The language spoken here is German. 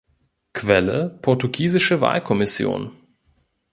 Quelle: "Portugiesische Wahlkommission"